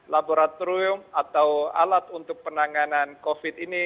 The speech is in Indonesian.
laboratorium atau alat untuk penanganan covid ini